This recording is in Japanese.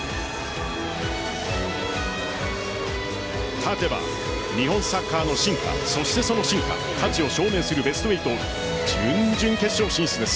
勝てば日本サッカーの進化そしてその真価、価値を証明するベスト８準々決勝進出です。